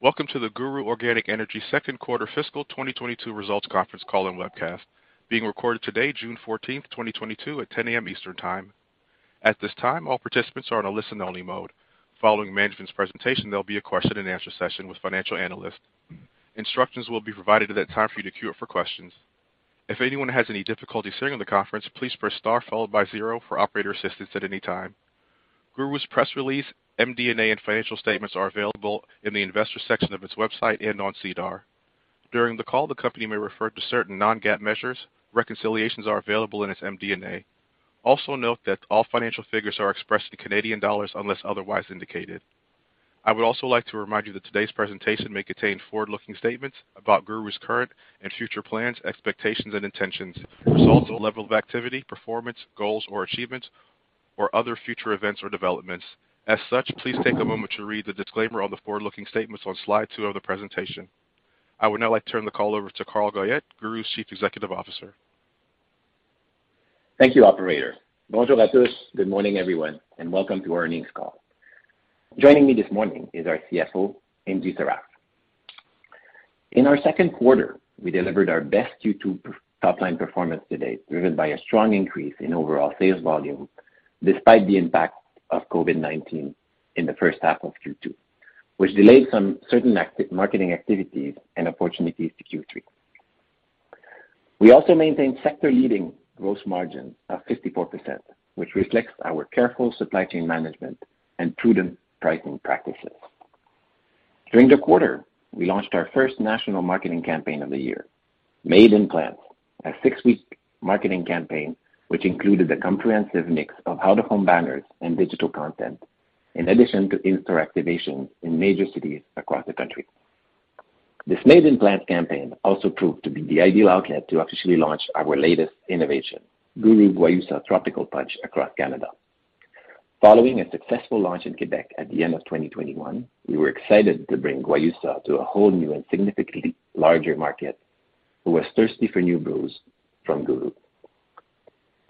Welcome to the GURU Organic Energy second quarter fiscal 2022 results conference call and webcast, being recorded today, June 14, 2022 at 10:00 A.M. Eastern Time. At this time, all participants are on a listen-only mode. Following management's presentation, there'll be a question and answer session with financial analysts. Instructions will be provided at that time for you to queue up for questions. If anyone has any difficulty hearing the conference, please press star followed by zero for operator assistance at any time. GURU's press release, MD&A, and financial statements are available in the investor section of its website and on SEDAR. During the call, the company may refer to certain non-GAAP measures. Reconciliations are available in its MD&A. Also note that all financial figures are expressed in Canadian dollars unless otherwise indicated. I would also like to remind you that today's presentation may contain forward-looking statements about GURU's current and future plans, expectations, and intentions, results, level of activity, performance, goals or achievements, or other future events or developments. As such, please take a moment to read the disclaimer on the forward-looking statements on slide two of the presentation. I would now like to turn the call over to Carl Goyette, GURU's Chief Executive Officer. Thank you, operator. Bonjour à tous. Good morning, everyone, and welcome to our earnings call. Joining me this morning is our CFO, Ingy Sarraf. In our second quarter, we delivered our best Q2 top line performance to date, driven by a strong increase in overall sales volume despite the impact of COVID-19 in the first half of Q2, which delayed some certain marketing activities and opportunities to Q3. We also maintained sector-leading gross margin of 54%, which reflects our careful supply chain management and prudent pricing practices. During the quarter, we launched our first national marketing campaign of the year, Made with Plants, a six week marketing campaign which included a comprehensive mix of out of home banners and digital content, in addition to in-store activation in major cities across the country. This Made with Plants campaign also proved to be the ideal outlet to officially launch our latest innovation, GURU Guayusa Tropical Punch, across Canada. Following a successful launch in Quebec at the end of 2021, we were excited to bring Guayusa to a whole new and significantly larger market who was thirsty for new brews from GURU.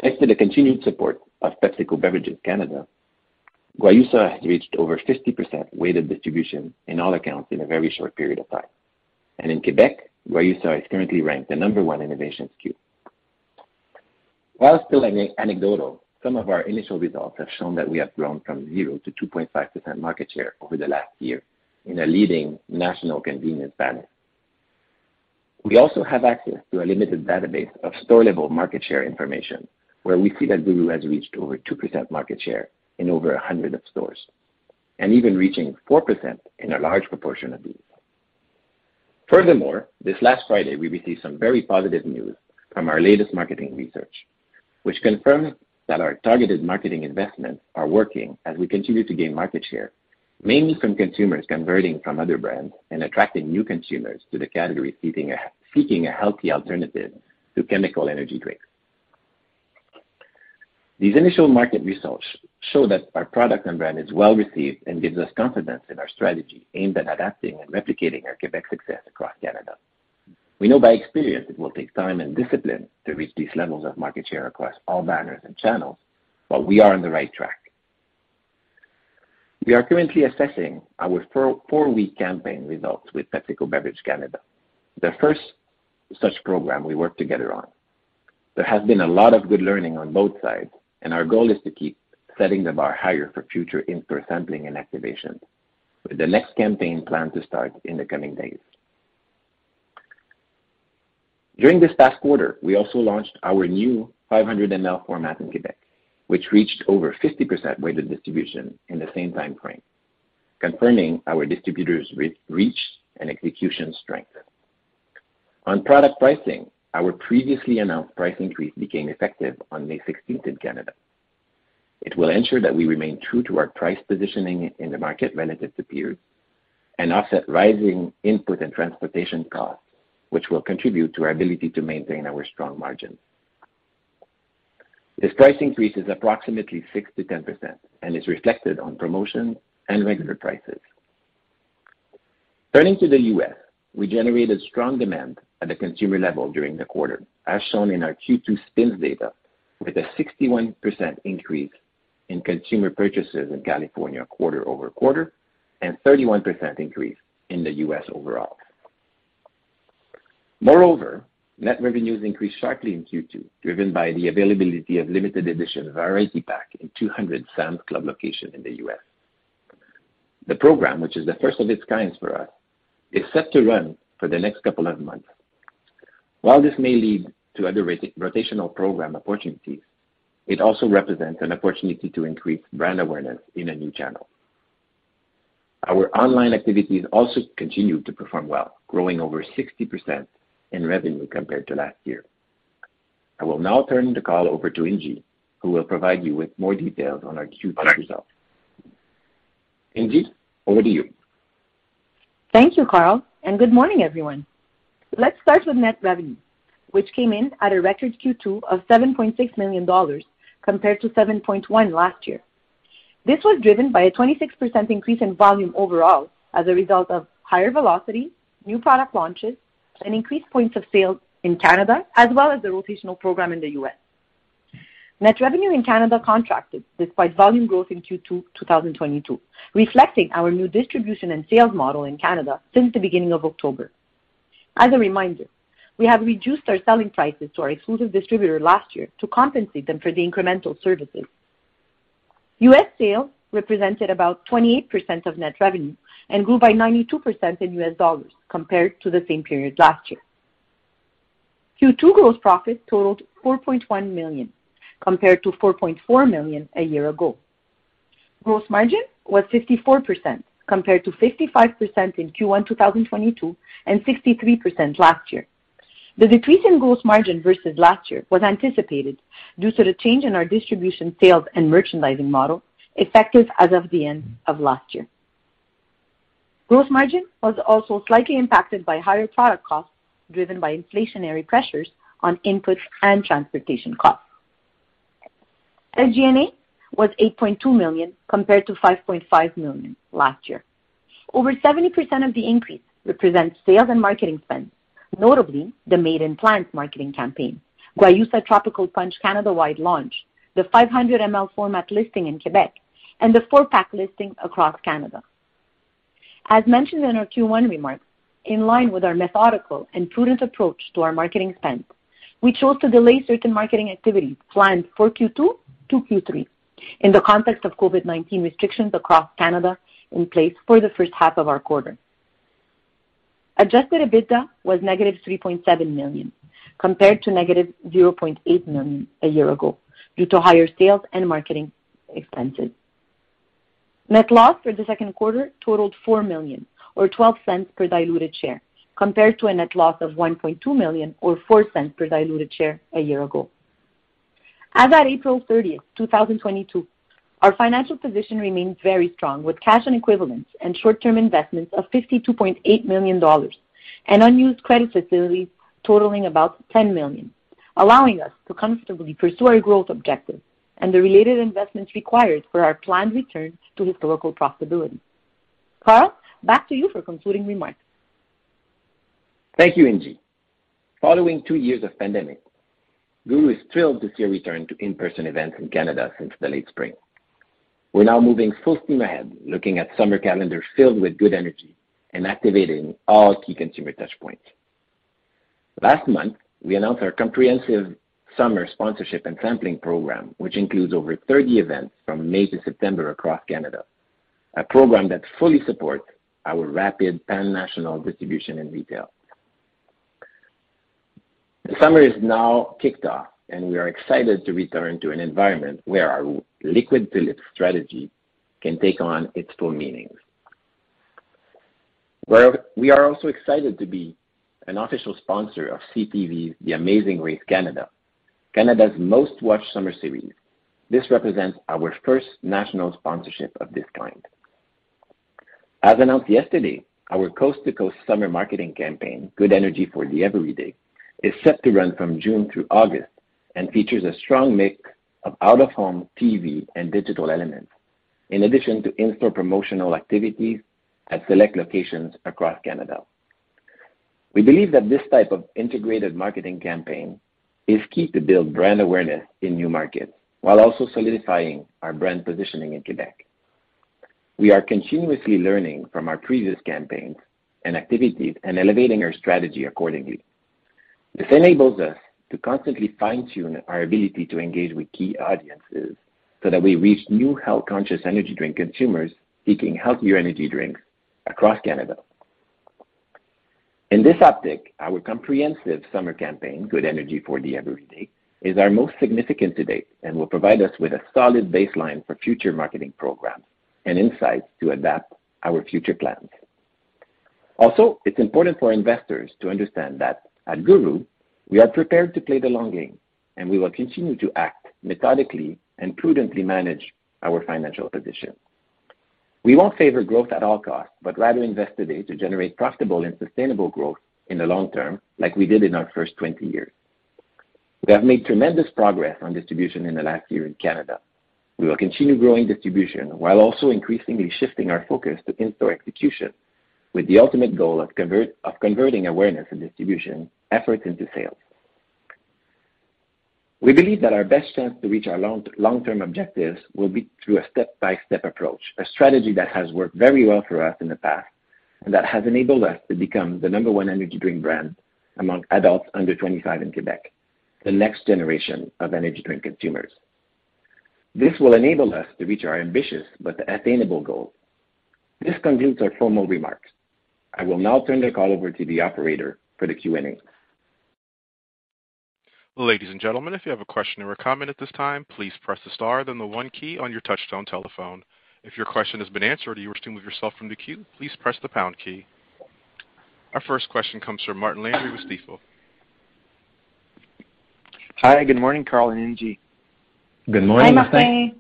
Thanks to the continued support of PepsiCo Beverages Canada, Guayusa has reached over 50% weighted distribution in all accounts in a very short period of time. In Quebec, Guayusa is currently ranked the number one innovation SKU. While still anecdotal, some of our initial results have shown that we have grown from zero to 2.5% market share over the last year in a leading national convenience banner. We also have access to a limited database of store-level market share information, where we see that GURU has reached over 2% market share in over 100 stores, and even reaching 4% in a large proportion of these. Furthermore, this last Friday, we received some very positive news from our latest marketing research, which confirms that our targeted marketing investments are working as we continue to gain market share, mainly from consumers converting from other brands and attracting new consumers to the category seeking a healthy alternative to chemical energy drinks. These initial market results show that our product and brand is well received and gives us confidence in our strategy aimed at adapting and replicating our Quebec success across Canada. We know by experience it will take time and discipline to reach these levels of market share across all banners and channels, but we are on the right track. We are currently assessing our four-week campaign results with PepsiCo Beverages Canada, the first such program we worked together on. There has been a lot of good learning on both sides, and our goal is to keep setting the bar higher for future in-store sampling and activation, with the next campaign planned to start in the coming days. During this past quarter, we also launched our new 500 ml format in Quebec, which reached over 50% weighted distribution in the same time frame, confirming our distributors' reach and execution strength. On product pricing, our previously announced price increase became effective on May sixteenth in Canada. It will ensure that we remain true to our price positioning in the market when it is implemented and offset rising input and transportation costs, which will contribute to our ability to maintain our strong margins. This price increase is approximately 6%-10% and is reflected on promotion and regular prices. Turning to the U.S., we generated strong demand at the consumer level during the quarter, as shown in our Q2 SPINS data, with a 61% increase in consumer purchases in California quarter-over-quarter and 31% increase in the U.S. overall. Moreover, net revenues increased sharply in Q2, driven by the availability of limited edition variety pack in 200 Sam's Club locations in the U.S. The program, which is the first of its kind for us, is set to run for the next couple of months. While this may lead to other retail-rotational program opportunities, it also represents an opportunity to increase brand awareness in a new channel. Our online activities also continued to perform well, growing over 60% in revenue compared to last year. I will now turn the call over to Ingy, who will provide you with more details on our Q2 results. Ingy, over to you. Thank you, Carl, and good morning, everyone. Let's start with net revenue, which came in at a record Q2 of 7.6 million dollars compared to 7.1 last year. This was driven by a 26% increase in volume overall as a result of higher velocity, new product launches, and increased points of sale in Canada, as well as the rotational program in the U.S. Net revenue in Canada contracted despite volume growth in Q2 2022, reflecting our new distribution and sales model in Canada since the beginning of October. As a reminder, we have reduced our selling prices to our exclusive distributor last year to compensate them for the incremental services. US sales represented about 28% of net revenue and grew by 92% in US dollars compared to the same period last year. Q2 gross profit totaled 4.1 million, compared to 4.4 million a year ago. Gross margin was 54%, compared to 55% in Q1 2022 and 63% last year. The decrease in gross margin versus last year was anticipated due to the change in our distribution sales and merchandising model, effective as of the end of last year. Gross margin was also slightly impacted by higher product costs, driven by inflationary pressures on inputs and transportation costs. SG&A was 8.2 million, compared to 5.5 million last year. Over 70% of the increase represents sales and marketing spends, notably the Made with Plants marketing campaign, Guayusa Tropical Punch Canada-wide launch, the 500 ml format listing in Quebec, and the four-pack listing across Canada. As mentioned in our Q1 remarks, in line with our methodical and prudent approach to our marketing spends, we chose to delay certain marketing activities planned for Q2-Q3 in the context of COVID-19 restrictions across Canada in place for the first half of our quarter. Adjusted EBITDA was -3.7 million, compared to -0.8 million a year ago, due to higher sales and marketing expenses. Net loss for the second quarter totaled 4 million or 0.12 per diluted share, compared to a net loss of 1.2 million or 0.04 per diluted share a year ago. As at April 30, 2022, our financial position remains very strong, with cash and equivalents and short-term investments of 52.8 million dollars and unused credit facilities totaling about 10 million, allowing us to comfortably pursue our growth objectives and the related investments required for our planned return to historical profitability. Carl, back to you for concluding remarks. Thank you, Ingy. Following two years of pandemic, GURU is thrilled to see a return to in-person events in Canada since the late spring. We're now moving full steam ahead, looking at summer calendar filled with good energy and activating all key consumer touch points. Last month, we announced our comprehensive summer sponsorship and sampling program, which includes over 30 events from May to September across Canada. A program that fully supports our rapid pan-national distribution in retail. The summer is now kicked off, and we are excited to return to an environment where our liquid strategy can take on its full meaning. We are also excited to be an official sponsor of CTV's The Amazing Race Canada's most-watched summer series. This represents our first national sponsorship of this kind. As announced yesterday, our coast-to-coast summer marketing campaign, Good Energy for the Everyday, is set to run from June through August and features a strong mix of out-of-home TV and digital elements, in addition to in-store promotional activities at select locations across Canada. We believe that this type of integrated marketing campaign is key to build brand awareness in new markets while also solidifying our brand positioning in Quebec. We are continuously learning from our previous campaigns and activities and elevating our strategy accordingly. This enables us to constantly fine-tune our ability to engage with key audiences so that we reach new health-conscious energy drink consumers seeking healthier energy drinks across Canada. In this optics, our comprehensive summer campaign, Good Energy for the Everyday, is our most significant to date and will provide us with a solid baseline for future marketing programs and insights to adapt our future plans. Also, it's important for investors to understand that at GURU, we are prepared to play the long game, and we will continue to act methodically and prudently manage our financial position. We won't favor growth at all costs, but rather invest today to generate profitable and sustainable growth in the long term, like we did in our first 20 years. We have made tremendous progress on distribution in the last year in Canada. We will continue growing distribution while also increasingly shifting our focus to in-store execution, with the ultimate goal of converting awareness and distribution efforts into sales. We believe that our best chance to reach our long-term objectives will be through a step-by-step approach, a strategy that has worked very well for us in the past, and that has enabled us to become the number one energy drink brand among adults under 25 in Quebec, the next generation of energy drink consumers. This will enable us to reach our ambitious but attainable goal. This concludes our formal remarks. I will now turn the call over to the operator for the Q&A. Ladies and gentlemen, if you have a question or a comment at this time, please press the star, then the one key on your touchtone telephone. If your question has been answered or you wish to remove yourself from the queue, please press the pound key. Our first question comes from Martin Landry with Stifel. Hi, good morning, Carl and Ingy. Good morning. Hi,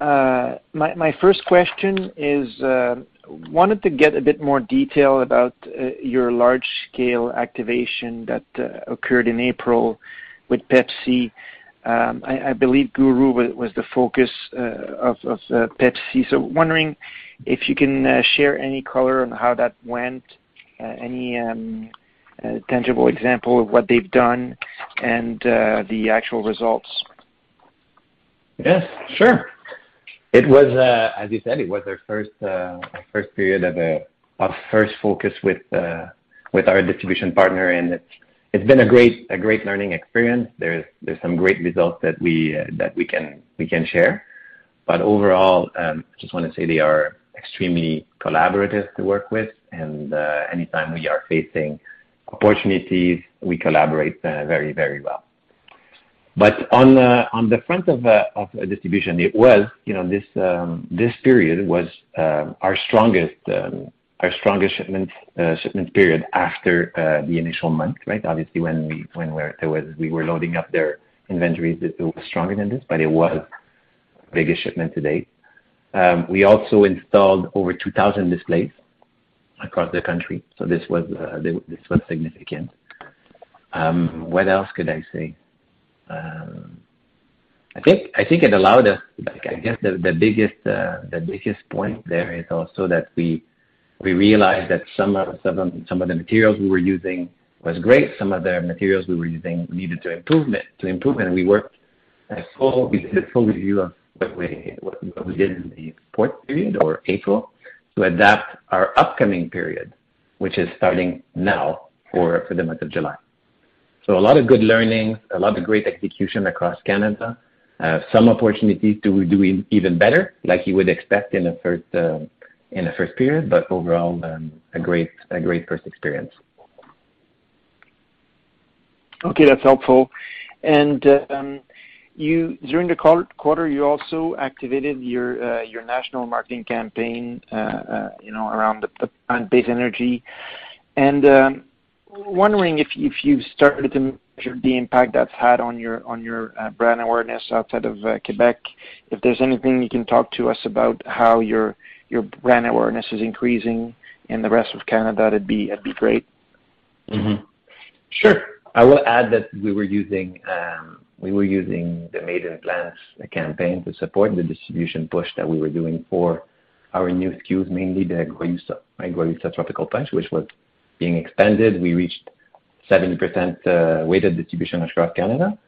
Martin. My first question is I wanted to get a bit more detail about your large scale activation that occurred in April with PepsiCo. I believe GURU was the focus of PepsiCo. Wondering if you can share any color on how that went. Any tangible example of what they've done and the actual results? Yes, sure. It was, as you said, it was our first period of our first focus with our distribution partner, and it's been a great learning experience. There's some great results that we can share. Overall, I just wanna say they are extremely collaborative to work with, and anytime we are facing opportunities, we collaborate very well. On the front of distribution, it was this period was our strongest shipment period after the initial month, right? Obviously, when we were loading up their inventories, it was stronger than this, but it was the biggest shipment to date. We also installed over 2,000 displays across the country, so this was significant. What else could I say? I think it allowed us. Like, I guess the biggest point there is also that we realized that some of the materials we were using was great. Some of the materials we were using needed improvement. We did a full review of what we did in the fourth period or April to adapt our upcoming period, which is starting now for the month of July. A lot of good learnings, a lot of great execution across Canada. Some opportunities to do even better, like you would expect in a first period, but overall, a great first experience. Okay, that's helpful. During the quarter, you also activated your national marketing campaign, you know, around the plant-based energy. Wondering if you've started to measure the impact that's had on your brand awareness outside of Quebec. If there's anything you can talk to us about how your brand awareness is increasing in the rest of Canada, that'd be great. Sure. I will add that we were using the Made with Plants campaign to support the distribution push that we were doing for our new SKUs, mainly the Grapefruit, right? Guayusa Tropical Punch, which was being expanded. We reached 70% weighted distribution across Canada.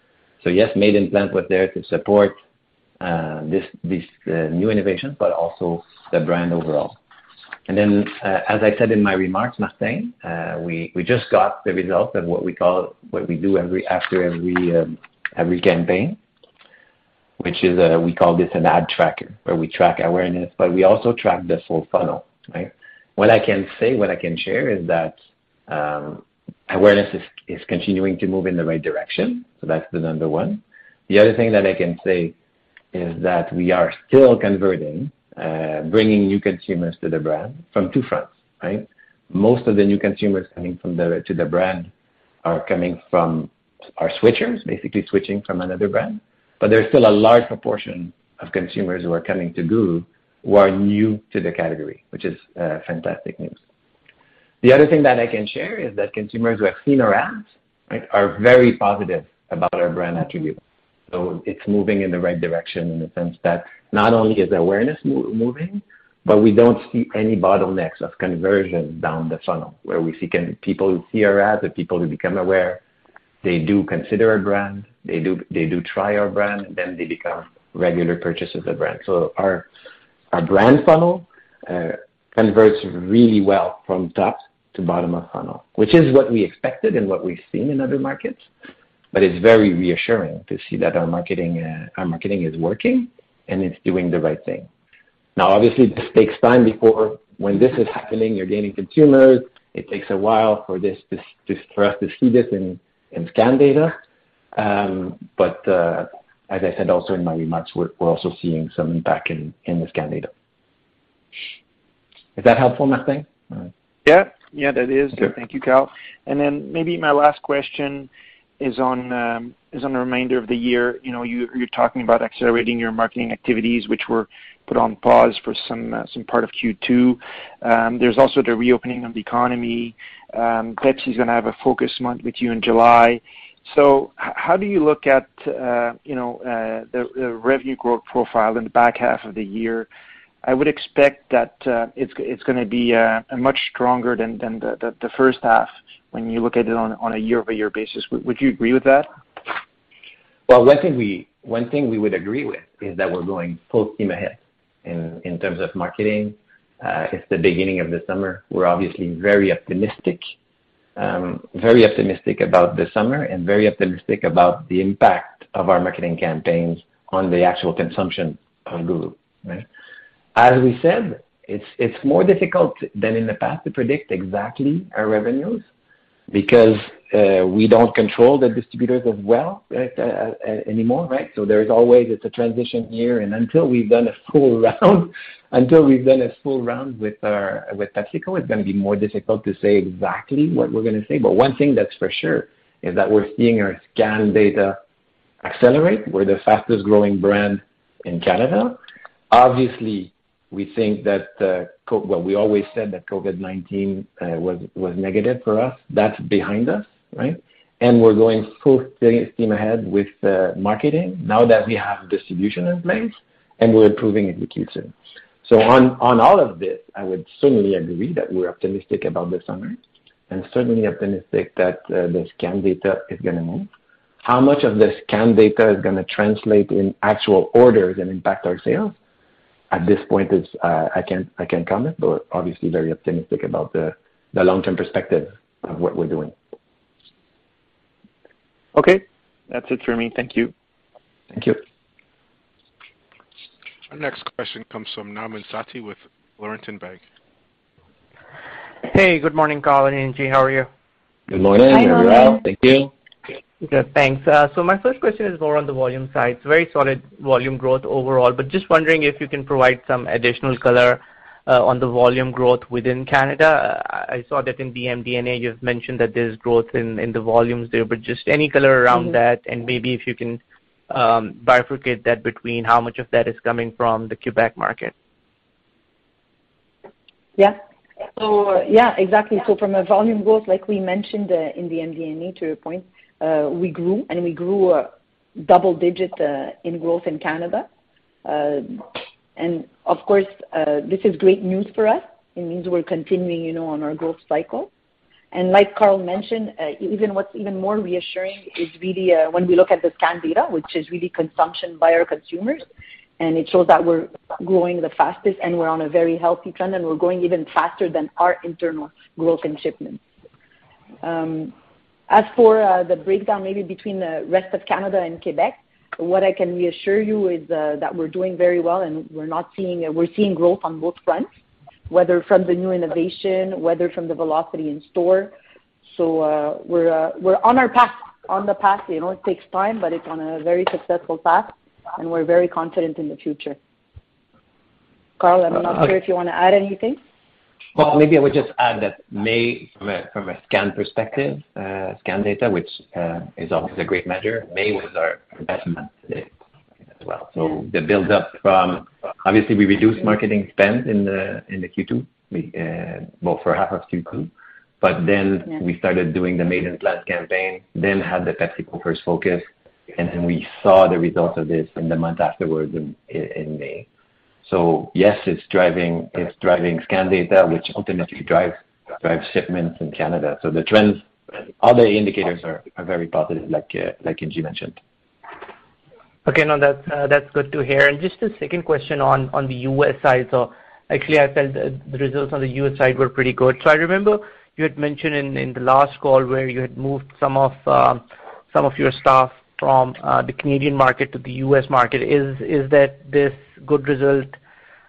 Yes, Made with Plants was there to support this new innovation, but also the brand overall. As I said in my remarks, Martin, we just got the results of what we do after every campaign, which is what we call an ad tracker, where we track awareness, but we also track this whole funnel, right? What I can share is that awareness is continuing to move in the right direction. That's the number one. The other thing that I can say is that we are still converting, bringing new consumers to the brand from two fronts, right? Most of the new consumers coming to the brand are coming from our switchers, basically switching from another brand. There's still a large proportion of consumers who are coming to GURU who are new to the category, which is fantastic news. The other thing that I can share is that consumers who have seen our ads, right, are very positive about our brand attribute. It's moving in the right direction in the sense that not only is awareness moving, but we don't see any bottlenecks of conversion down the funnel where we see people see our ad, the people who become aware, they do consider our brand, they do try our brand, and then they become regular purchasers of the brand. Our brand funnel converts really well from top to bottom of funnel, which is what we expected and what we've seen in other markets. It's very reassuring to see that our marketing is working, and it's doing the right thing. Now, obviously, this takes time before. When this is happening, you're gaining consumers. It takes a while for this for us to see this in scan data. As I said also in my remarks, we're also seeing some impact in the scan data. Is that helpful, Martin? Yeah. Yeah, that is. Thank you, Carl. Then maybe my last question is on the remainder of the year. You know, you're talking about accelerating your marketing activities, which were put on pause for some part of Q2. There's also the reopening of the economy. PepsiCo is gonna have a focus month with you in July. So how do you look at, you know, the revenue growth profile in the back half of the year? I would expect that it's gonna be much stronger than the first half when you look at it on a year-over-year basis. Would you agree with that? Well, one thing we would agree with is that we're going full steam ahead in terms of marketing. It's the beginning of the summer. We're obviously very optimistic about the summer and very optimistic about the impact of our marketing campaigns on the actual consumption of GURU, right? As we said, it's more difficult than in the past to predict exactly our revenues because we don't control the distributors as well anymore, right? So there's always. It's a transition year, and until we've done a full round with PepsiCo, it's gonna be more difficult to say exactly what we're gonna say. But one thing that's for sure is that we're seeing our scan data accelerate. We're the fastest growing brand in Canada. Obviously, we think that the COV Well, we always said that COVID-19 was negative for us. That's behind us, right? We're going full steam ahead with marketing now that we have distribution in place. We're improving execution. On all of this, I would certainly agree that we're optimistic about the summer and certainly optimistic that the scan data is gonna move. How much of the scan data is gonna translate into actual orders and impact our sales? At this point, I can't comment, but obviously very optimistic about the long-term perspective of what we're doing. Okay. That's it for me. Thank you. Thank you. Our next question comes from Nauman Satti with Laurentian Bank. Hey, good morning, Carl and Ingy. How are you? Good morning. Hi, Nauman. Thank you. Good. Thanks. My first question is more on the volume side. It's very solid volume growth overall, but just wondering if you can provide some additional color on the volume growth within Canada. I saw that in the MD&A, you've mentioned that there's growth in the volumes there, but just any color around that. Mm-hmm. Maybe if you can, bifurcate that between how much of that is coming from the Quebec market. Yeah. Yeah, exactly. From a volume growth, like we mentioned, in the MD&A, to your point, we grew double-digit growth in Canada. Of course, this is great news for us. It means we're continuing, you know, on our growth cycle. Like Carl mentioned, what's even more reassuring is really, when we look at the scan data, which is really consumption by our consumers, and it shows that we're growing the fastest and we're on a very healthy trend, and we're growing even faster than our internal growth in shipments. As for, the breakdown maybe between the rest of Canada and Quebec, what I can reassure you is, that we're doing very well, and we're not seeing. We're seeing growth on both fronts, whether from the new innovation, whether from the velocity in store. We're on our path, on the path. You know, it takes time, but it's on a very successful path, and we're very confident in the future. Carl, I'm not sure if you wanna add anything. Well, maybe I would just add that May, from a scan perspective, scan data, which is always a great measure, was our best month to date as well. Yeah. Obviously, we reduced marketing spend in the Q2, well, for half of Q2. Then- Yeah We started doing the Made with Plants campaign, then had the PepsiCo first focus, and then we saw the results of this in the month afterwards in May. Yes, it's driving scan data, which ultimately drives shipments in Canada. The trends, all the indicators are very positive, like Ingy mentioned. Okay. No, that's good to hear. Just a second question on the U.S. side. Actually, I felt the results on the U.S. side were pretty good. I remember you had mentioned in the last call where you had moved some of your staff from the Canadian market to the U.S. market. Is that this good result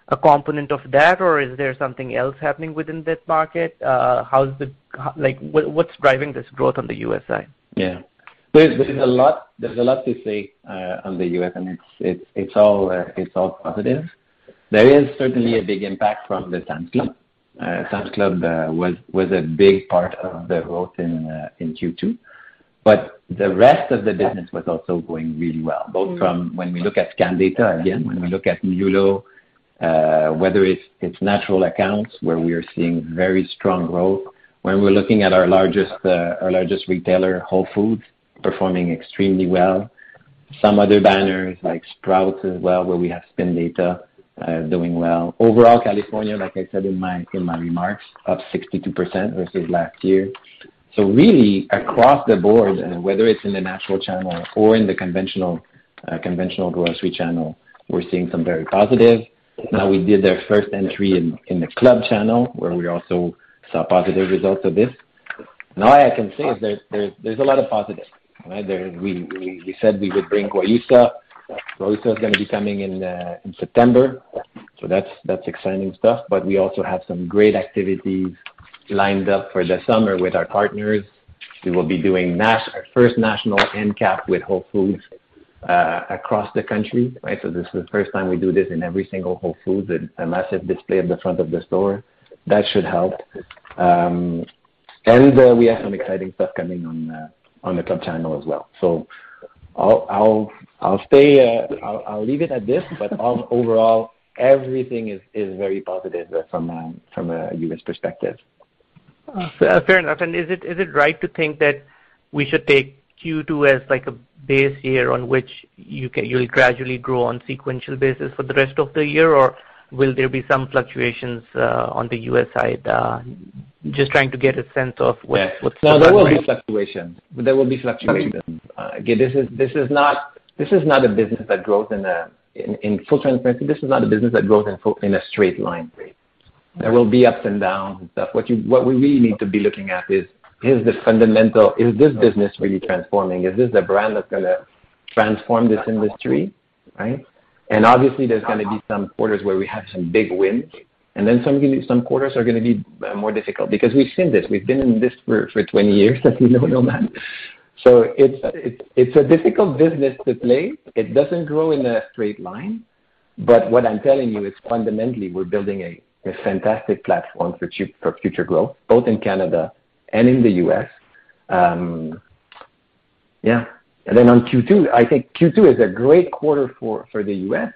a component of that, or is there something else happening within that market? What's driving this growth on the U.S. side? Yeah. There's a lot to say on the U.S., and it's all positive. There is certainly a big impact from the Sam's Club. Sam's Club was a big part of the growth in Q2. The rest of the business was also going really well. Mm-hmm Both from when we look at scan data, again, when we look at Guayusa, whether it's natural accounts where we are seeing very strong growth. When we're looking at our largest retailer, Whole Foods, performing extremely well. Some other banners like Sprouts as well, where we have SPINS data, doing well. Overall, California, like I said in my remarks, up 62% versus last year. Really across the board, whether it's in the natural channel or in the conventional grocery channel, we're seeing some very positive. Now, we did our first entry in the club channel where we also saw positive results of this. Now all I can say is there's a lot of positive, right? We said we would bring uncertain in September, so that's exciting stuff. We also have some great activities lined up for the summer with our partners. We will be doing our first national end cap with Whole Foods across the country, right? This is the first time we do this in every single Whole Foods, a massive display at the front of the store. That should help. We have some exciting stuff coming on the club channel as well. I'll leave it at this. Overall, everything is very positive from a U.S. perspective. Fair enough. Is it right to think that we should take Q2 as like a base year on which you'll gradually grow on sequential basis for the rest of the year, or will there be some fluctuations on the US side? Just trying to get a sense of what- Yes What's going on there. No, there will be fluctuations. Okay. Again, in full transparency, this is not a business that grows in a straight line, right? There will be ups and downs and stuff. What we really need to be looking at is the fundamental, is this business really transforming? Is this the brand that's gonna transform this industry, right? Obviously there's gonna be some quarters where we have some big wins, and then some quarters are gonna be more difficult because we've seen this. We've been in this for 20 years at the moment. It's a difficult business to play. It doesn't grow in a straight line. What I'm telling you is fundamentally we're building a fantastic platform for future growth, both in Canada and in the US. Yeah. On Q2, I think Q2 is a great quarter for the US,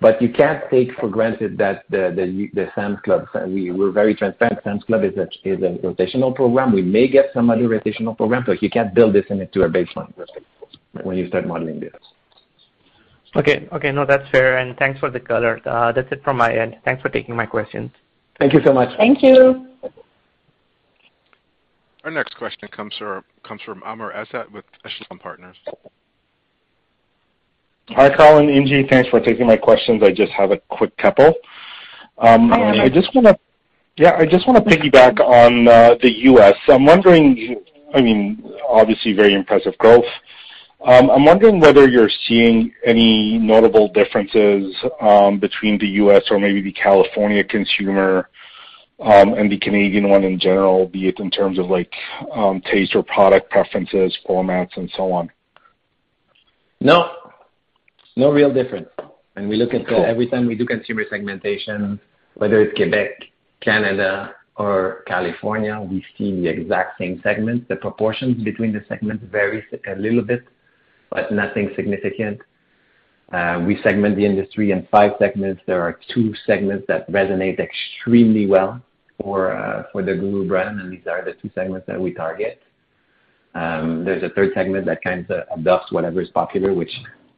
but you can't take for granted that the Sam's Club, we're very transparent. Sam's Club is a rotational program. We may get some other rotational program, but you can't build this into a baseline perspective when you start modeling this. Okay. Okay, no, that's fair, and thanks for the color. That's it from my end. Thanks for taking my questions. Thank you so much. Thank you. Our next question comes from Amr Ezzat with Echelon Wealth Partners. Hi, Carl and Ingy. Thanks for taking my questions. I just have a quick couple. I just wanna piggyback on, the US. I'm wondering, I mean, obviously, very impressive growth. I'm wondering whether you're seeing any notable differences, between the US or maybe the California consumer, and the Canadian one in general, be it in terms of like, taste or product preferences, formats and so on. No. No real difference. Cool. We look at every time we do consumer segmentation, whether it's Quebec, Canada or California, we see the exact same segment. The proportions between the segments varies a little bit, but nothing significant. We segment the industry in five segments. There are two segments that resonate extremely well for the GURU brand, and these are the two segments that we target. There's a third segment that kinds of adopts whatever is popular, which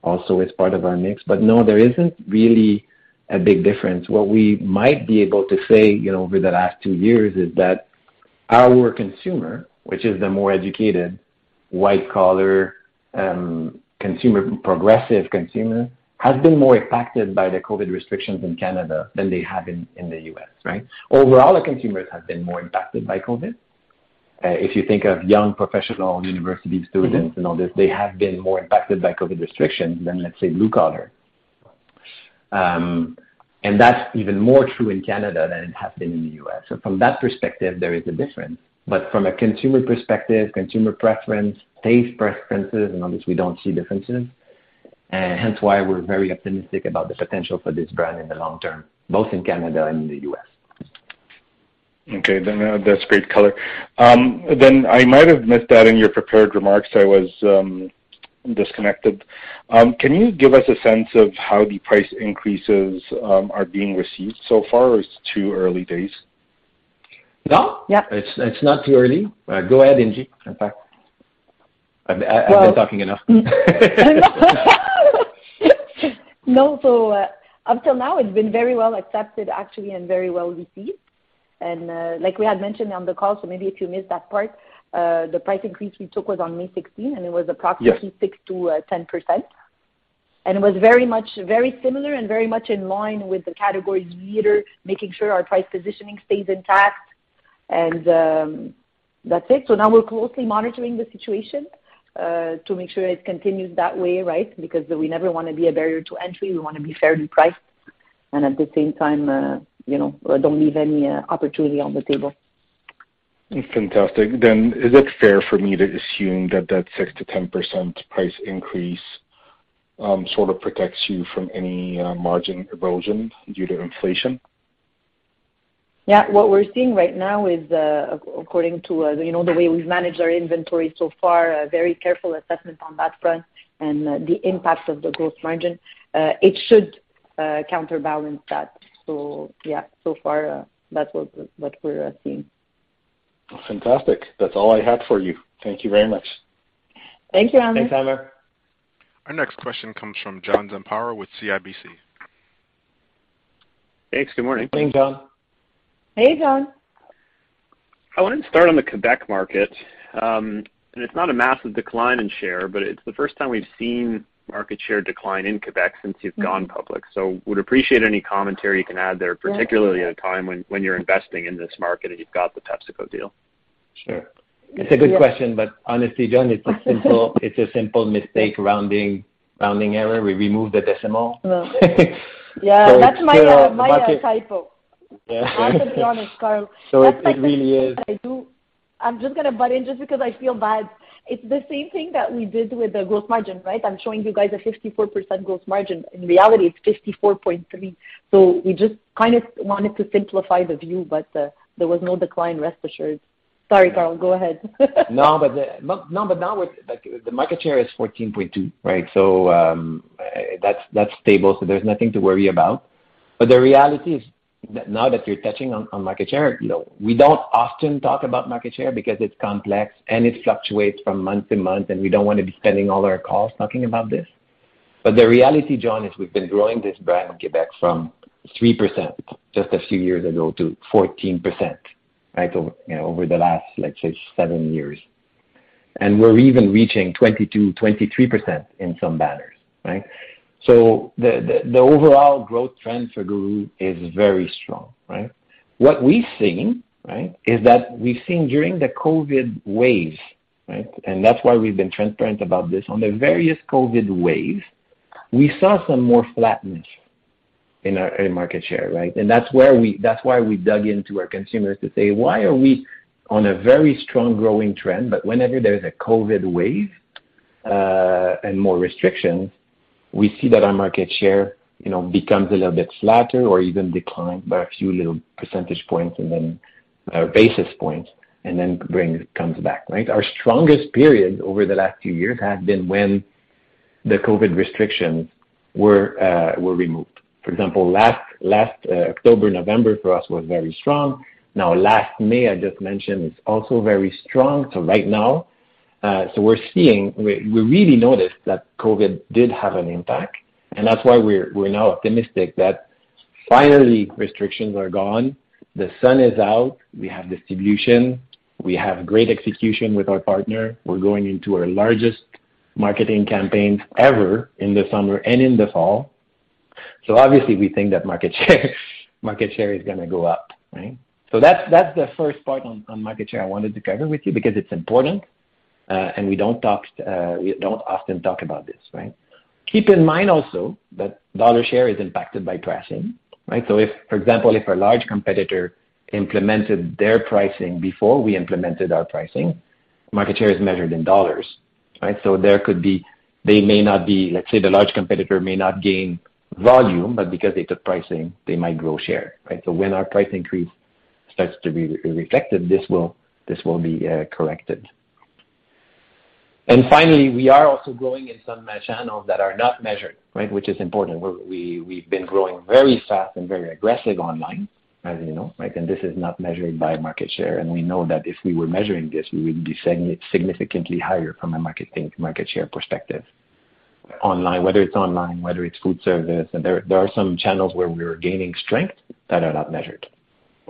also is part of our mix. No, there isn't really a big difference. What we might be able to say, you know, over the last two years is that our consumer, which is the more educated, white collar, consumer, progressive consumer, has been more impacted by the COVID restrictions in Canada than they have in the US, right? Overall, the consumers have been more impacted by COVID. If you think of young professional university students and all this, they have been more impacted by COVID restrictions than, let's say, blue collar. That's even more true in Canada than it has been in the US. From that perspective, there is a difference. From a consumer perspective, consumer preference, taste preferences and all this, we don't see differences. Hence why we're very optimistic about the potential for this brand in the long term, both in Canada and in the US. Okay. That's great color. I might have missed that in your prepared remarks. I was disconnected. Can you give us a sense of how the price increases are being received so far, or it's too early days? No. Yeah. It's not too early. Go ahead, Ingy. In fact, I've been talking enough. No. Up till now, it's been very well accepted actually, and very well received. Like we had mentioned on the call, maybe if you missed that part, the price increase we took was on May 16, and it was approximately 6%-10%. It was very much very similar and very much in line with the category leader, making sure our price positioning stays intact, and that's it. Now we're closely monitoring the situation to make sure it continues that way, right? Because we never wanna be a barrier to entry. We wanna be fairly priced, and at the same time, you know, don't leave any opportunity on the table. Fantastic. Is it fair for me to assume that 6%-10% price increase sort of protects you from any margin erosion due to inflation? Yeah. What we're seeing right now is, according to, you know, the way we've managed our inventory so far, a very careful assessment on that front and the impact of the gross margin, it should counterbalance that. Yeah, so far, that's what we're seeing. Fantastic. That's all I had for you. Thank you very much. Thank you, Amr. Thanks, Amr. Our next question comes from John Zamparo with CIBC. Thanks. Good morning. Good morning, John. Hey, John. I wanted to start on the Quebec market. It's not a massive decline in share, but it's the first time we've seen market share decline in Quebec since you've gone public. Would appreciate any commentary you can add there, particularly at a time when you're investing in this market and you've got the PepsiCo deal. Sure. It's a good question, but honestly, John, it's a simple mistake, rounding error. We removed the decimal. Yeah, that's my typo. Yeah. I have to be honest, Carl. It really is. I'm just gonna butt in just because I feel bad. It's the same thing that we did with the gross margin, right? I'm showing you guys a 54% gross margin. In reality, it's 54.3. We just kind of wanted to simplify the view, but there was no decline, rest assured. Sorry, Carl, go ahead. No, but now with, like, the market share is 14.2, right? That's stable, so there's nothing to worry about. The reality is that now that you're touching on market share, you know, we don't often talk about market share because it's complex, and it fluctuates from month to month, and we don't wanna be spending all our calls talking about this. The reality, John, is we've been growing this brand in Quebec from 3% just a few years ago to 14%, right, over, you know, over the last, let's say, seven years. We're even reaching 22, 23% in some banners, right? The overall growth trend for GURU is very strong, right? What we've seen, right, is that we've seen during the COVID waves, right? That's why we've been transparent about this. On the various COVID waves, we saw some more flatness in our market share, right? That's why we dug into our consumers to say, "Why are we on a very strong growing trend, but whenever there's a COVID wave and more restrictions, we see that our market share, you know, becomes a little bit flatter or even decline by a few little percentage points, and then our basis points and then comes back, right?" Our strongest period over the last few years had been when the COVID restrictions were removed. For example, last October, November for us was very strong. Now, last May, I just mentioned, is also very strong. Right now, we really noticed that COVID did have an impact, and that's why we're now optimistic that finally restrictions are gone, the sun is out, we have distribution, we have great execution with our partner. We're going into our largest marketing campaigns ever in the summer and in the fall. Obviously we think that market share is gonna go up, right? That's the first part on market share I wanted to cover with you because it's important, and we don't often talk about this, right? Keep in mind also that dollar share is impacted by pricing, right? If, for example, a large competitor implemented their pricing before we implemented our pricing, market share is measured in dollars, right? There could be. They may not be, let's say the large competitor may not gain volume, but because they took pricing, they might grow share, right? When our price increase starts to be reflected, this will be corrected. Finally, we are also growing in some channels that are not measured, right? Which is important. We've been growing very fast and very aggressive online, as you know, right? This is not measured by market share. We know that if we were measuring this, we would be significantly higher from a market share perspective. Online, whether it's online, whether it's food service, and there are some channels where we're gaining strength that are not measured.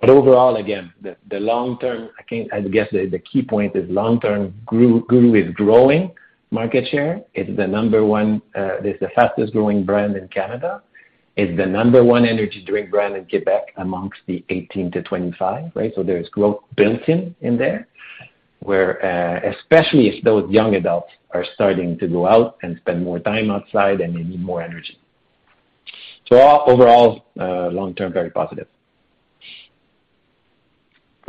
Overall, again, the long term, I guess the key point is long-term GURU is growing market share. It's the number one, it's the fastest growing brand in Canada. It's the number one energy drink brand in Quebec amongst the 18-25, right? There's growth built-in in there, where, especially if those young adults are starting to go out and spend more time outside and they need more energy. Overall, long term, very positive.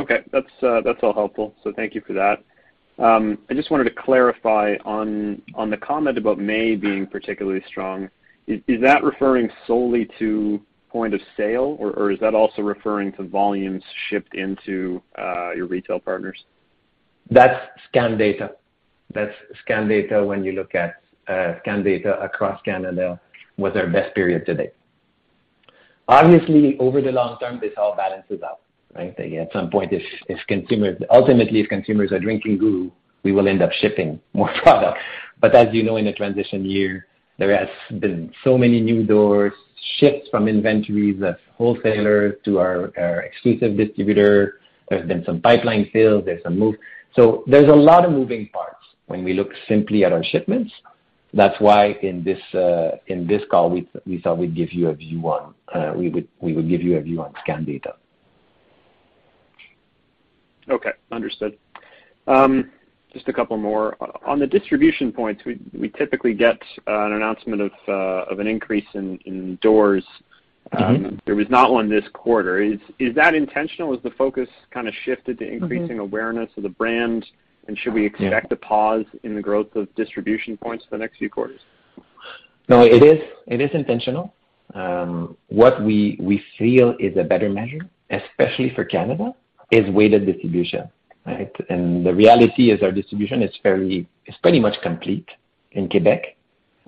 Okay. That's all helpful. Thank you for that. I just wanted to clarify on the comment about May being particularly strong. Is that referring solely to point of sale, or is that also referring to volumes shipped into your retail partners? That's scan data. When you look at scan data across Canada, was our best period to date. Obviously, over the long term, this all balances out, right? At some point, ultimately, if consumers are drinking GURU, we will end up shipping more product. As you know, in a transition year, there has been so many new doors, shifts from inventories at wholesalers to our exclusive distributor. There's been some pipeline sales, there's some movement. There's a lot of moving parts when we look simply at our shipments. That's why in this call, we thought we'd give you a view on scan data. Okay. Understood. Just a couple more. On the distribution points, we typically get an announcement of an increase in doors. Mm-hmm. There was not one this quarter. Is that intentional? Is the focus kinda shifted to increasing? Mm-hmm. Awareness of the brand? Should we expect Yeah. a pause in the growth of distribution points for the next few quarters? No, it is. It is intentional. What we feel is a better measure, especially for Canada, is weighted distribution, right? The reality is our distribution is fairly, it's pretty much complete in Quebec,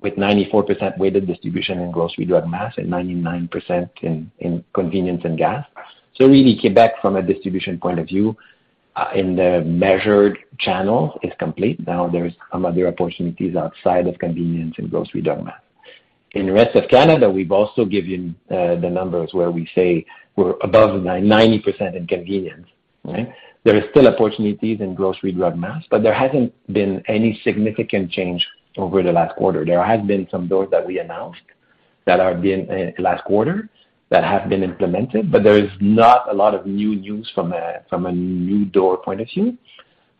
with 94% weighted distribution in grocery drug mass and 99% in convenience and gas. Really Quebec from a distribution point of view, in the measured channels is complete. Now there's some other opportunities outside of convenience and grocery drug mass. In the rest of Canada, we've also given the numbers where we say we're above 90% in convenience, right? There is still opportunities in grocery drug mass, but there hasn't been any significant change over the last quarter. There has been some doors that we announced last quarter that have been implemented, but there is not a lot of new news from a new door point of view.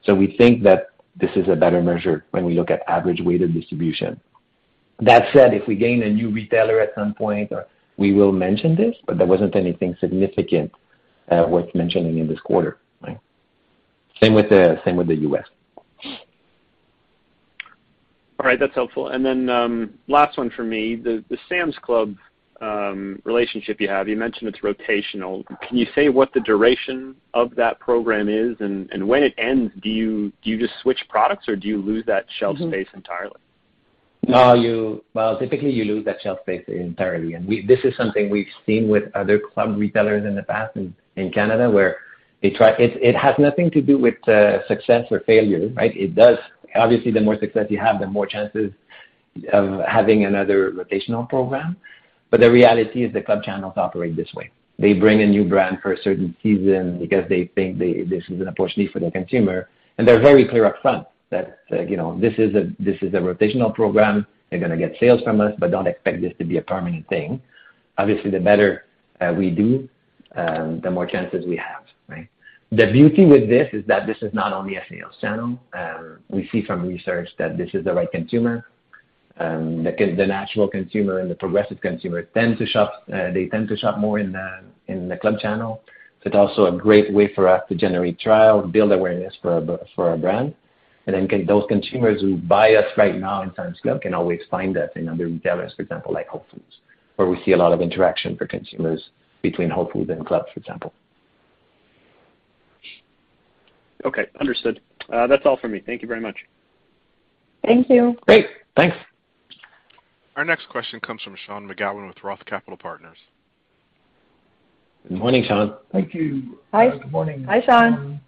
We think that this is a better measure when we look at average weighted distribution. That said, if we gain a new retailer at some point, we will mention this, but there wasn't anything significant worth mentioning in this quarter. Same with the U.S. All right. That's helpful. Last one for me. The Sam's Club relationship you have, you mentioned it's rotational. Can you say what the duration of that program is? When it ends, do you just switch products, or do you lose that shelf space entirely? No. Well, typically you lose that shelf space entirely. This is something we've seen with other club retailers in the past in Canada, where it has nothing to do with success or failure, right? Obviously, the more success you have, the more chances of having another rotational program. The reality is the club channels operate this way. They bring a new brand for a certain season because they think this is an opportunity for their consumer. They're very clear up front that, you know, this is a rotational program. They're gonna get sales from us, but don't expect this to be a permanent thing. Obviously, the better we do, the more chances we have, right? The beauty with this is that this is not only a sales channel. We see from research that this is the right consumer, the natural consumer and the progressive consumer tend to shop, they tend to shop more in the club channel. So it's also a great way for us to generate trial, build awareness for our brand. Those consumers who buy us right now in Sam's Club can always find us in other retailers, for example, like Whole Foods, where we see a lot of interaction for consumers between Whole Foods and clubs, for example. Okay. Understood. That's all for me. Thank you very much. Thank you. Great. Thanks. Our next question comes from Sean McGowan with Roth Capital Partners. Good morning, Sean. Thank you. Hi. Good morning. Hi, Sean. Hi,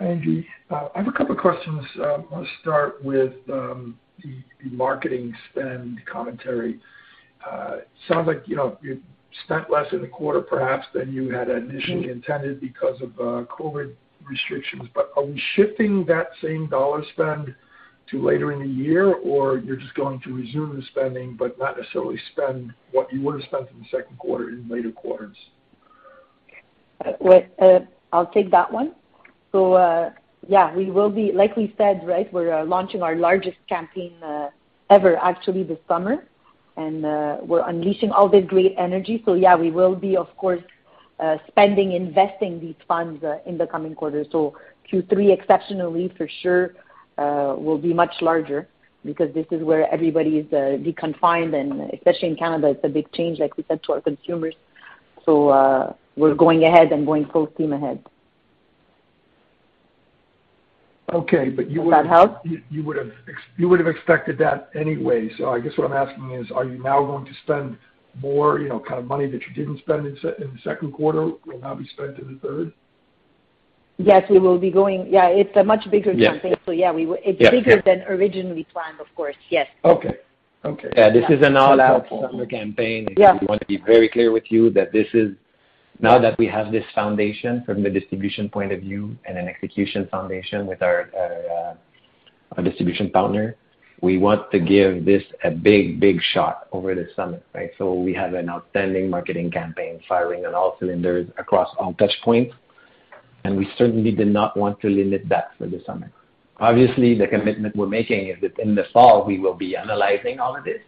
Ingy. I have a couple of questions. I wanna start with the marketing spend commentary. Sounds like, you know, you spent less in the quarter perhaps than you had initially intended because of COVID restrictions. Are we shifting that same dollar spend to later in the year, or you're just going to resume the spending but not necessarily spend what you would've spent in the second quarter in later quarters? Well, I'll take that one. Yeah, like we said, right, we're launching our largest campaign ever actually this summer, and we're unleashing all this great energy. Yeah, we will be, of course, spending, investing these funds in the coming quarters. Q3 exceptionally for sure will be much larger because this is where everybody is deconfined and especially in Canada, it's a big change, like we said, to our consumers. We're going ahead and going full steam ahead. Okay. You would- Does that help? You would have expected that anyway. I guess what I'm asking is, are you now going to spend more, you know, kind of money that you didn't spend in the second quarter will now be spent in the third? Yes, we will be going. Yeah, it's a much bigger campaign. Yeah. Yeah, we will. Yeah. It's bigger than originally planned, of course. Yes. Okay. Yeah, this is an all-out summer campaign. Yeah. We wanna be very clear with you that this is now that we have this foundation from the distribution point of view and an execution foundation with our distribution partner, we want to give this a big shot over the summer, right? We have an outstanding marketing campaign firing on all cylinders across all touch points, and we certainly did not want to limit that for the summer. Obviously, the commitment we're making is that in the fall, we will be analyzing all of this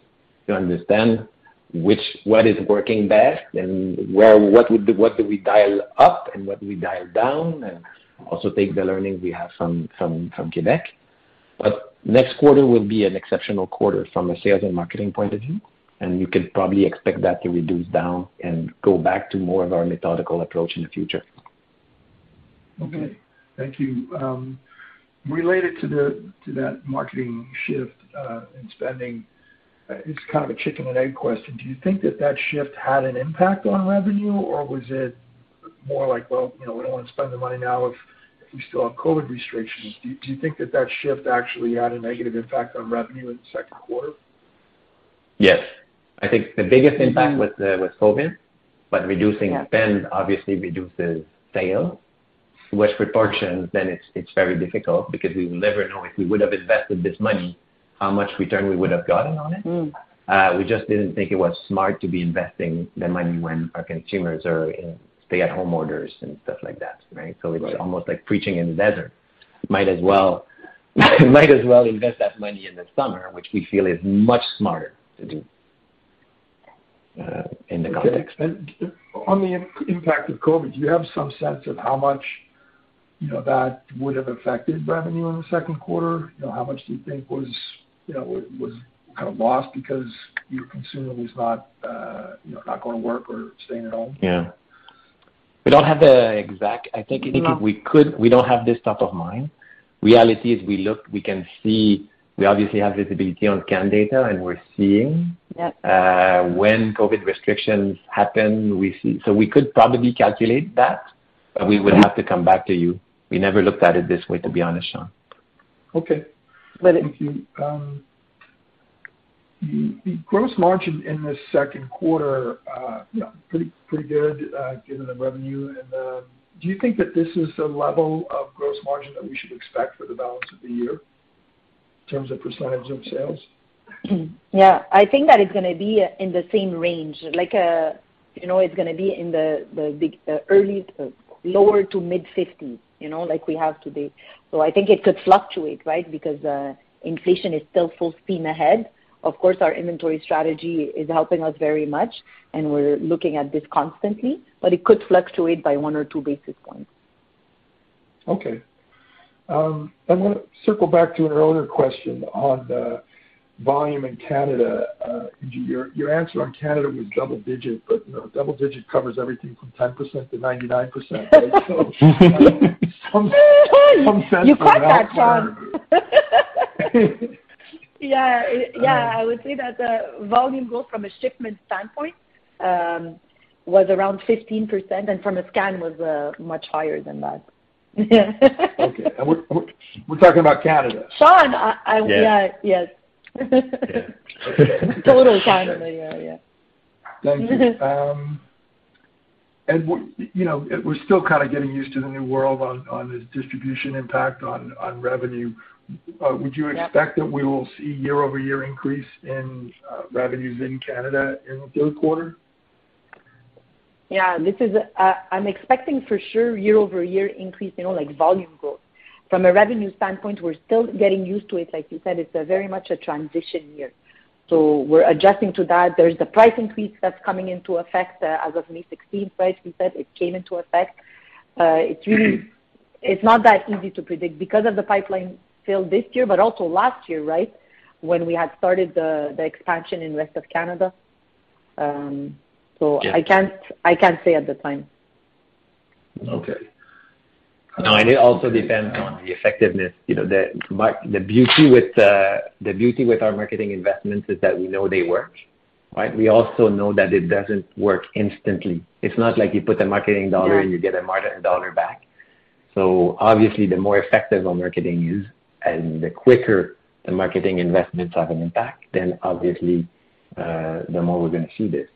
to understand what is working best and what do we dial up and what do we dial down, and also take the learnings we have from Quebec. Next quarter will be an exceptional quarter from a sales and marketing point of view, and you can probably expect that to reduce down and go back to more of our methodical approach in the future. Okay. Thank you. Related to that marketing shift in spending, it's kind of a chicken and egg question. Do you think that shift had an impact on revenue, or was it more like, well, you know, we don't want to spend the money now if you still have COVID restrictions? Do you think that shift actually had a negative impact on revenue in the second quarter? Yes. I think the biggest impact was with COVID, but reducing spend obviously reduces sales. Which proportion, then it's very difficult because we will never know if we would have invested this money, how much return we would have gotten on it. Mm. We just didn't think it was smart to be investing the money when our consumers are in stay-at-home orders and stuff like that, right? It was almost like preaching in the desert. Might as well invest that money in the summer, which we feel is much smarter to do, in the context. On the impact of COVID, do you have some sense of how much, you know, that would have affected revenue in the second quarter? You know, how much do you think was, you know, kind of lost because your consumer was not, you know, not going to work or staying at home? Yeah. We don't have this top of mind. Reality is we look, we can see, we obviously have visibility on scan data, and we're seeing. Yeah when COVID restrictions happen, we see. We could probably calculate that, but we would have to come back to you. We never looked at it this way, to be honest, Sean. Okay. Got it. Thank you. The gross margin in the second quarter, you know, pretty good, given the revenue. Do you think that this is the level of gross margin that we should expect for the balance of the year in terms of percentage of sales? Yeah. I think that it's gonna be in the same range, like, you know, it's gonna be in the lower to mid fifties, you know, like we have today. I think it could fluctuate, right? Because inflation is still full steam ahead. Of course, our inventory strategy is helping us very much, and we're looking at this constantly, but it could fluctuate by 1 or 2 basis points. Okay. I wanna circle back to an earlier question on the volume in Canada. Your answer on Canada was double digits, but you know, double digits covers everything from 10% to 99%, right? Some sense- You caught that, Sean. Yeah. Yeah. I would say that volume growth from a shipment standpoint was around 15%, and from a scan was much higher than that. Okay. We're talking about Canada. Sean. Yeah. Yeah. Yes. Yeah. Okay. Totally Canada. Yeah. Thank you. You know, we're still kinda getting used to the new world on this distribution impact on revenue. Would you expect- Yeah that we will see year-over-year increase in revenues in Canada in the third quarter? Yeah. This is. I'm expecting for sure year-over-year increase, you know, like volume growth. From a revenue standpoint, we're still getting used to it. Like you said, it's very much a transition year. We're adjusting to that. There's the price increase that's coming into effect. As of May 16, right, we said it came into effect. It's really not that easy to predict because of the pipeline fill this year but also last year, right, when we had started the expansion in western Canada. I can't say at the time. Okay. Now, it also depends on the effectiveness. You know, the beauty with our marketing investments is that we know they work, right? We also know that it doesn't work instantly. It's not like you put a marketing dollar. Yeah. You get a marketing dollar back. So obviously, the more effective our marketing is and the quicker the marketing investments have an impact, then obviously, the more we're gonna see this.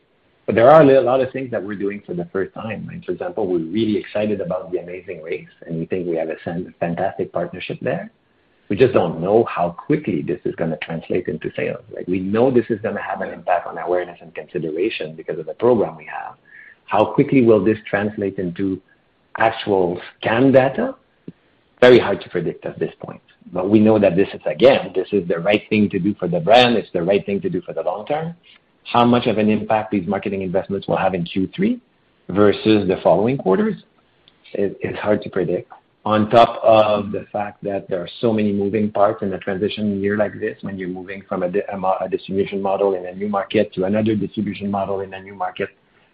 But there are a lot of things that we're doing for the first time. For example, we're really excited about The Amazing Race, and we think we have a fantastic partnership there. We just don't know how quickly this is gonna translate into sales. Like, we know this is gonna have an impact on awareness and consideration because of the program we have. How quickly will this translate into actual scan data? Very hard to predict at this point. But we know that this is, again, this is the right thing to do for the brand. It's the right thing to do for the long term. How much of an impact these marketing investments will have in Q3 versus the following quarters is hard to predict. On top of the fact that there are so many moving parts in a transition year like this, when you're moving from a distribution model in a new market to another distribution model in a new market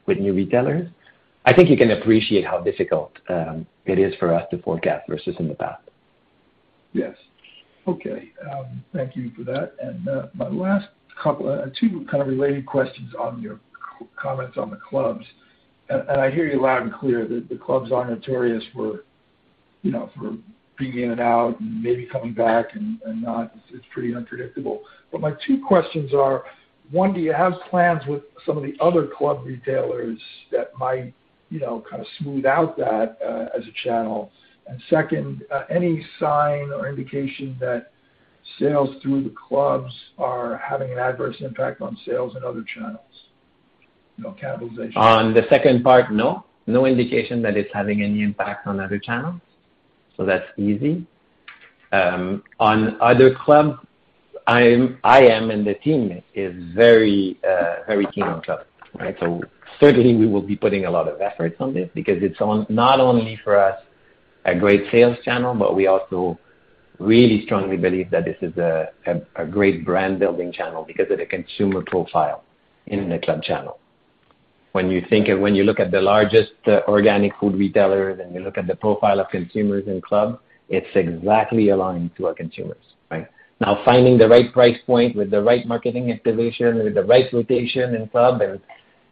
with new retailers, I think you can appreciate how difficult it is for us to forecast versus in the past. Yes. Okay. Thank you for that. Two kind of related questions on your comments on the clubs. I hear you loud and clear that the clubs are notorious for, you know, for being in and out and maybe coming back and not. It's pretty unpredictable. My two questions are. One, do you have plans with some of the other club retailers that might, you know, kind of smooth out that, as a channel? Second, any sign or indication that sales through the clubs are having an adverse impact on sales in other channels? You know, cannibalization. On the second part, no. No indication that it's having any impact on other channels. That's easy. On other clubs, I am, and the team is very keen on clubs, right? Certainly, we will be putting a lot of efforts on this because it's not only for us a great sales channel, but we also really strongly believe that this is a great brand building channel because of the consumer profile in the club channel. When you look at the largest organic food retailers and you look at the profile of consumers in club, it's exactly aligned to our consumers, right? Now, finding the right price point with the right marketing activation, with the right rotation in club, and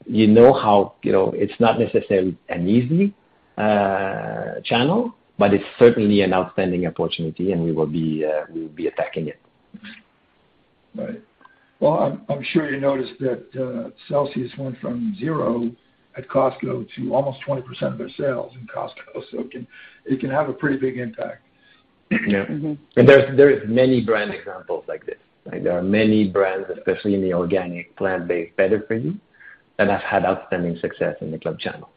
you know how, you know, it's not necessarily an easy channel, but it's certainly an outstanding opportunity, and we will be attacking it. Right. Well, I'm sure you noticed that Celsius went from 0 at Costco to almost 20% of their sales in Costco, so it can have a pretty big impact. Yeah. Mm-hmm. There's, there is many brand examples like this, right? There are many brands, especially in the organic, plant-based, better-for-you, that have had outstanding success in the club channel.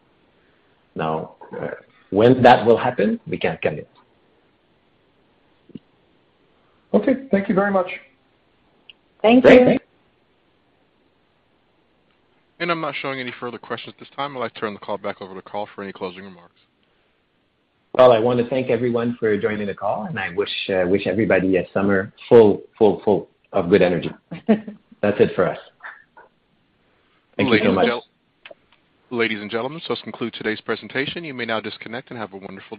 Now, when that will happen, we can't commit. Okay. Thank you very much. Thank you. Thank you. I'm not showing any further questions at this time. I'd like to turn the call back over to Carl for any closing remarks. Well, I wanna thank everyone for joining the call, and I wish everybody a summer full of good energy. That's it for us. Thank you so much. Ladies and gentlemen, this concludes today's presentation. You may now disconnect and have a wonderful day.